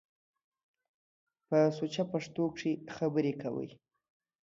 په سوچه پښتو کښ خبرې کوٸ۔